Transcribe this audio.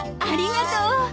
ありがとう。